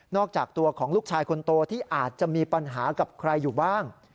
อกจากตัวของลูกชายคนโตที่อาจจะมีปัญหากับใครอยู่บ้าง